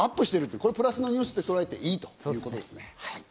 これは良いニュースととらえていいということですね。